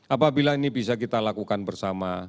apabila ini bisa kita lakukan bersama